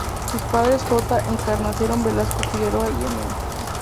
Sus padres J. Encarnación Velasco Figueroa y Ma.